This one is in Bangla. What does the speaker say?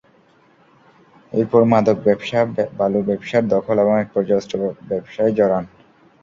এরপর মাদক ব্যবসা, বালু ব্যবসার দখল এবং একপর্যায়ে অস্ত্র ব্যবসায় জড়ান।